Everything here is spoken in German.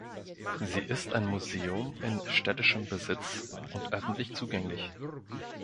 Sie ist ein Museum in städtischem Besitz und öffentlich zugänglich.